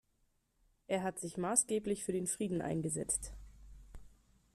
Er hat sich maßgeblich für den Frieden eingesetzt.